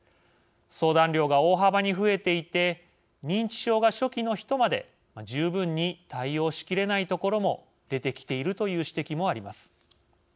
相談量が大幅に増えていて認知症が初期の人まで十分に対応しきれない所も出てきているという指摘もあります。